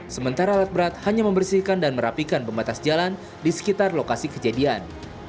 sementara alat berat hanya membersihkan dan merapikan pembatas jalan di sekitar lokasi kejadian